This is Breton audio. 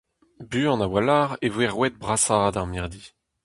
Buan a-walc'h e voe ret brasaat ar mirdi.